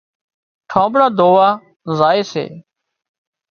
ٺانٻڙان ڌووا زائي سي